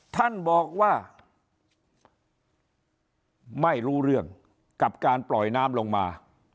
ท่านบอกว่าไม่รู้เรื่องกับการปล่อยน้ำลงมา